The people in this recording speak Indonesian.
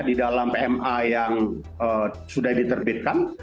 di dalam pma yang sudah diterbitkan